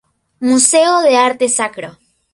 Museo de arte sacro.